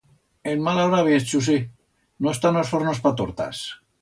En mala hora viens, Chusé, no están os fornos pa tortas!